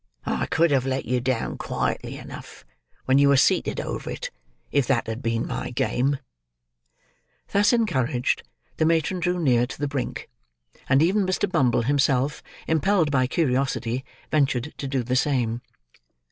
I could have let you down, quietly enough, when you were seated over it, if that had been my game." Thus encouraged, the matron drew near to the brink; and even Mr. Bumble himself, impelled by curiousity, ventured to do the same.